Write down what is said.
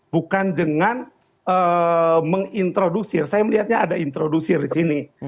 bukan dengan mengintroduce saya melihatnya ada introducer disini